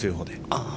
ああ。